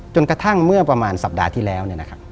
กระทั่งเมื่อประมาณสัปดาห์ที่แล้ว